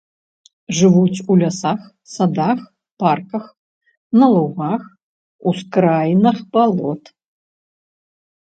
Жывуць у лясах, садах, парках, на лугах, ускраінах балот.